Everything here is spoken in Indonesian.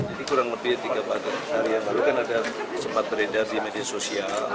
ini kurang lebih tiga empat hari yang lalu kan ada sempat beredar di media sosial